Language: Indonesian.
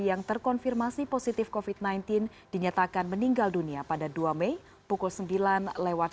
yang terkonfirmasi positif covid sembilan belas dinyatakan meninggal dunia pada dua mei pukul sembilan lewat